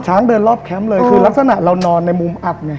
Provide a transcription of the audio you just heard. เดินรอบแคมป์เลยคือลักษณะเรานอนในมุมอับเนี่ย